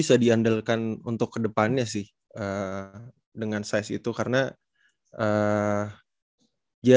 ada nama yang sebenernya